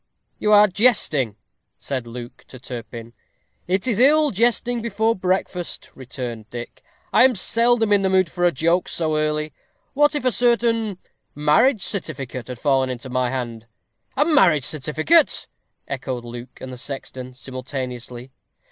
"You are jesting," said Luke to Turpin. "It is ill jesting before breakfast," returned Dick: "I am seldom in the mood for a joke so early. What if a certain marriage certificate had fallen into my hand?" "A marriage certificate!" echoed Luke and the sexton simultaneously.